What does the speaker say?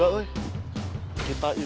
ah ke kak